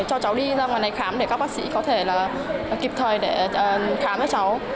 cho cháu đi ra ngoài này khám để các bác sĩ có thể là kịp thời để khám cho cháu